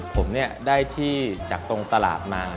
ผมได้ที่จากตรงตลาดมา